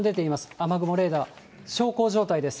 雨雲レーダー、小康状態です。